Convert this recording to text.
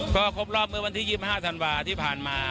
ก็ครบรอบเมื่อวันที่๒๕ธันวาที่ผ่านมา